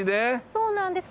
そうなんです。